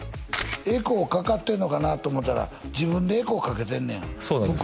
エコーかかってんのかなと思ったら自分でエコーかけてんねんそうなんですよ